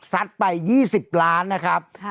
ไป๒๐ล้านนะครับ